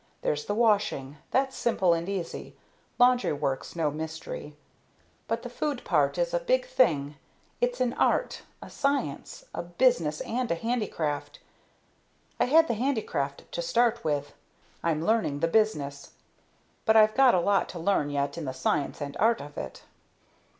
There's the washing that's simple and easy. Laundry work's no mystery. But the food part is a big thing. It's an art, a science, a business, and a handicraft. I had the handicraft to start with; I'm learning the business; but I've got a lot to learn yet in the science and art of it."